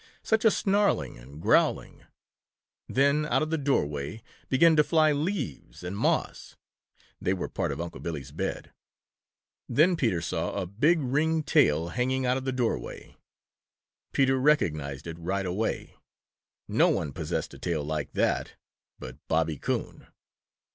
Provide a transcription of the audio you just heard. Such a snarling and growling! Then out of the doorway began to fly leaves and moss. They were part of Unc' Billy's bed. Then Peter saw a big ringed tail hanging out of the doorway. Peter recognized it right away. No one possessed a tail like that but Bobby Coon.